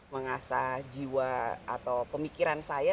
mengasah jiwa atau pemikiran saya